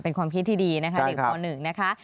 เป็นความคิดที่ดีนะคะเด็กของคง๑นะคะจ้ะครับ